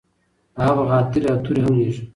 هغه به غاترې او توري هم لیږي.